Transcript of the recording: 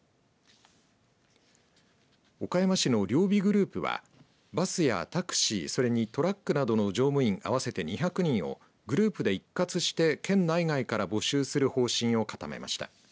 岡山市の両備グループはバスやタクシーそれにトラックなどの乗務員合わせて２００人をグループで一括して県内外から募集する方針を固めました。